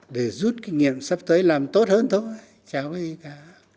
để rút kinh nghiệm sắp tới làm tốt hơn thôi cháu ấy cả